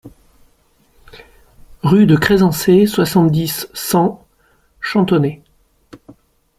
Rue de Cresancey, soixante-dix, cent Champtonnay